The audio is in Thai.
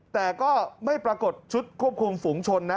แต่ก็ไม่ปรากฏชุดควบคุมฝูงชนนะ